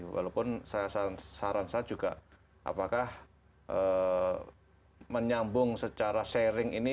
walaupun saran saya juga apakah menyambung secara sharing ini